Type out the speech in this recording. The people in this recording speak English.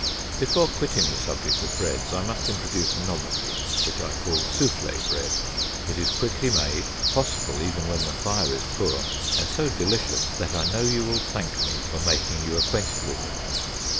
Before quitting the subject of breads I must introduce a novelty which I will call "soufflée bread." It is quickly made, possible even when the fire is poor, and so delicious that I know you will thank me for making you acquainted with it.